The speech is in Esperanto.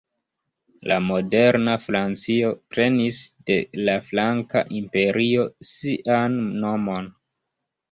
La moderna Francio prenis de la Franka Imperio sian nomon.